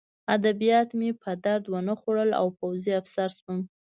ادبیات مې په درد ونه خوړل او پوځي افسر شوم